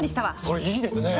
それいいですね！